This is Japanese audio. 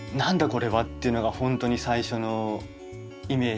これはっていうのが本当に最初のイメージで。